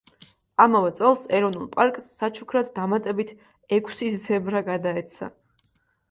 ამავე წელს ეროვნულ პარკს საჩუქრად დამატებით ექვსი ზებრა გადაეცა.